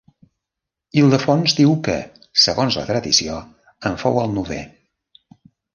Ildefons diu que, segons, la tradició, en fou el novè.